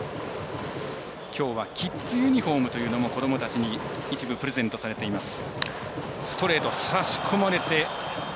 きょうはＫＩＤＳユニフォームというのも子どもたちに一部、プレゼントされています。